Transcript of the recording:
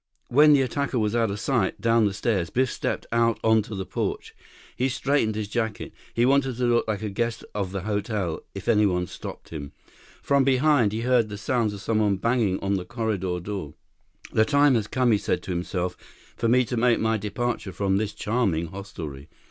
When the attacker was out of sight, down the stairs, Biff stepped out onto the porch. He straightened his jacket. He wanted to look like a guest of the hotel if anyone stopped him. From behind he heard the sounds of someone banging on the corridor door. "The time has come," he said to himself, "for me to make my departure from this charming hostelry."